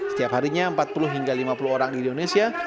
setiap harinya empat puluh hingga lima puluh orang di indonesia